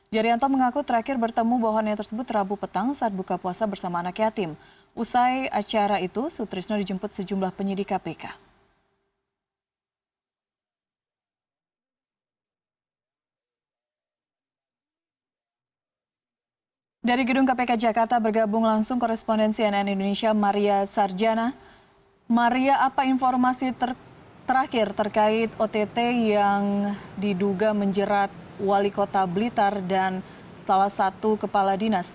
jarianto mengaku terakhir bertemu bawahannya tersebut rabu petang saat buka puasa bersama anak yatim